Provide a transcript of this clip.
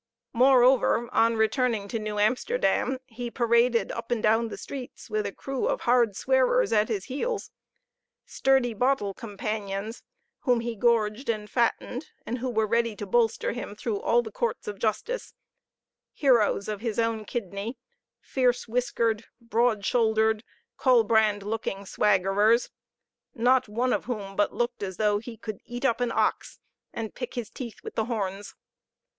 Moreover, on returning to New Amsterdam, he paraded up and down the streets with a crew of hard swearers at his heels sturdy bottle companions, whom he gorged and fattened, and who were ready to bolster him through all the courts of justice heroes of his own kidney, fierce whiskered, broad shouldered, colbrand looking swaggerers not one of whom but looked as though he could eat up an ox, and pick his teeth with the horns.